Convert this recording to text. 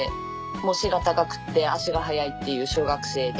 背が高くて足が速いっていう小学生で。